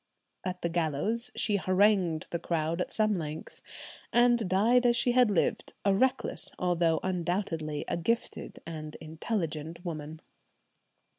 At the gallows she harangued the crowd at some length, and died as she had lived, a reckless although undoubtedly a gifted and intelligent woman.